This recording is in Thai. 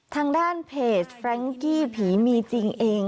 ทางด้านเพจแฟรงกี้ผีมีจริงเอง